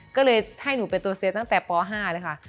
ก็เลยให้หนูเป็นตัวเสียตั้งแต่ป๕เลยค่ะ